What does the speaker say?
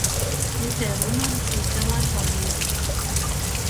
Ite runuots, ite lai palīk.